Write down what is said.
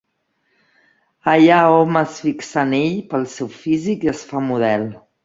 Allà hom es fixa en ell pel seu físic i es fa model.